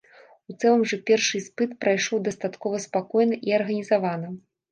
У цэлым жа першы іспыт прайшоў дастаткова спакойна і арганізавана.